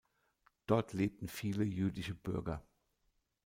Dort lebten viele jüdische Bürger.